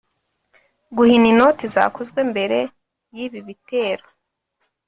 Guhina inoti zakozwe mbere y'ibi bitero